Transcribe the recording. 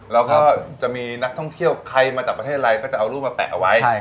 แล้วก็จะมีนักท่องเที่ยวใครมาจากประเทศอะไรก็จะเอารูปมาแปะเอาไว้